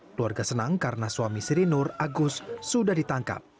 keluarga senang karena suami siri nur agus sudah ditangkap